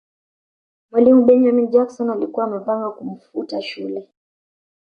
mwalimu benjamin jackson alikuwa amepanga kumfuta shule